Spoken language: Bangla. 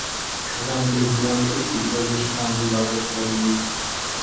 সোজা আঙুলে ঘি না উঠলে সিটি করপোরেশনকে আঙুল বাঁকা করতে হবে বৈকি।